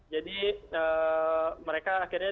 jadi mereka akhirnya